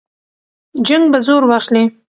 جنګ به زور واخلي.